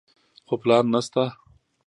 خو پلان نشته.